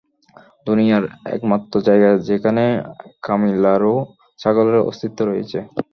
দুনিয়ার একমাত্র জায়গা যেখানে কামিলারো ছাগলের অস্তিত্ব রয়েছে।